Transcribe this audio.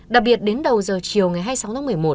đặc biệt đến đầu giờ chiều ngày hai mươi sáu tháng một mươi một